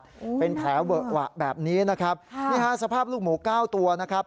โอ้วน่ารักเป็นแผลเวอะวะแบบนี้นะครับนี่ครับสภาพลูกหมู๙ตัวนะครับ